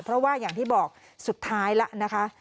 เพราะว่าอย่างที่บอกสุดท้ายแล้วนะคะ